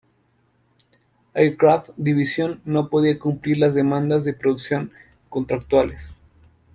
Aircraft Division no podía cumplir las demandas de producción contractuales.